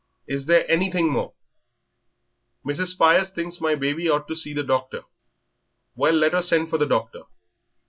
Is there anything more?" "Mrs. Spires thinks my baby ought to see the doctor." "Well, let her send for the doctor."